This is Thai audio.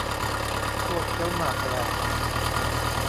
ชั่วเคี้ยวหมากแหลก